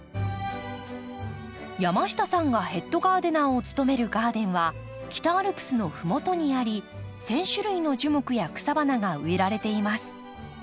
山下さんがヘッドガーデナーを務めるガーデンは北アルプスの麓にあり１，０００種類の樹木や草花が植えられています。